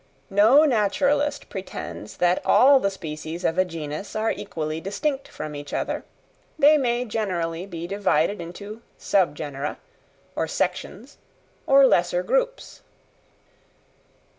No naturalist pretends that all the species of a genus are equally distinct from each other; they may generally be divided into sub genera, or sections, or lesser groups.